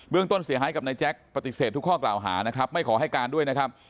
เรื่องต้นเสียหายกับนายแจ็คปฏิเสธทุกข้อกล่าวหานะครับไม่ขอให้การด้วยนะครับ